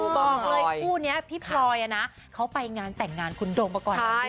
บอกเลยคู่นี้พี่พลอยนะก็ไปงานแต่งงานกับดมป่ะก่อน